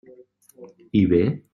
I bé?